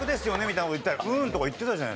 みたいな事言ったら「うん」とか言ってたじゃ。